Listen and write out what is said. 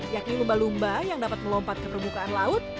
yakni lumba lumba yang dapat melompat ke permukaan laut